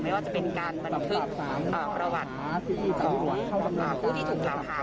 ไม่ว่าจะเป็นการบรรพึ่งเอ่อประวัติเอ่อผู้ที่ถูกหลังภาพ